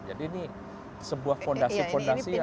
jadi ini sebuah fondasi fondasi yang